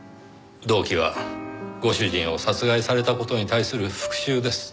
動機はご主人を殺害された事に対する復讐です。